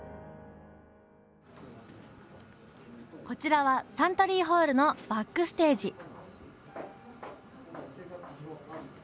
こちらはサントリーホールのバックステージ。